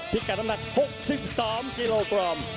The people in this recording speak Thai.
ที่กระทะนัก๖๓กิโลกรัม